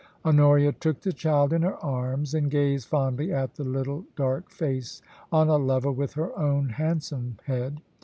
* Honoria took the child in her arms, and gazed fondly at the little dark face on a level with her own handsome head.